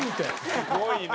すごいな。